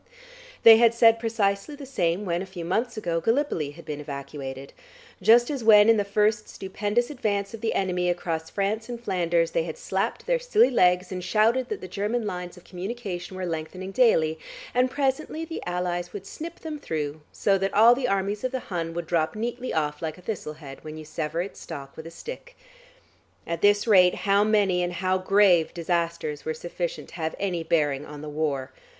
They had said precisely the same when, a few months ago, Gallipoli had been evacuated, just as when in the first stupendous advance of the enemy across France and Flanders, they had slapped their silly legs, and shouted that the German lines of communication were lengthening daily and presently the Allies would snip them through, so that all the armies of the Hun would drop neatly off like a thistle head when you sever its stalk with a stick. At this rate how many and how grave disasters were sufficient to have any bearing on the war?